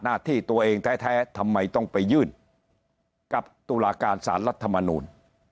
หน้าที่ตัวเองแท้ทำไมต้องไปยื่นกับตุลาการสารรัฐมนูล